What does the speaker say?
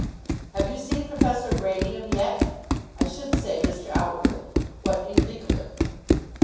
Have you seen Professor Radium yet? I should say Mr. Outwood. What do you think of him?"